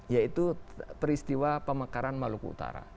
yaitu peristiwa pemekaran maluku utara